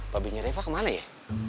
babinya reva kemana ya